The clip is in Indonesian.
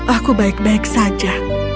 aku baik baik saja